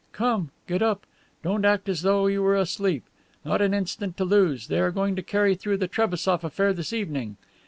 "Come, get up. Don't act as though you were asleep. Not an instant to lose. They are going to carry through the Trebassof affair this evening."